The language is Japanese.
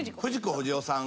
不二雄さん。